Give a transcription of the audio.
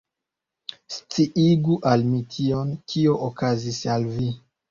Sciigu al mi tion, kio okazis al vi.